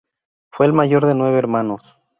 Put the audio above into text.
Fue el mayor de nueve hermanos.